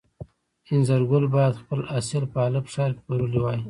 انځرګل باید خپل حاصل په الف ښار کې پلورلی وای.